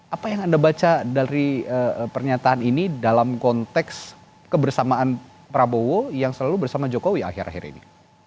apa yang anda baca dari pernyataan ini dalam konteks kebersamaan prabowo yang selalu bersama jokowi akhir akhir ini